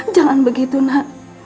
jangan begitu nak